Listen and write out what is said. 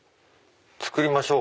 作りましょう。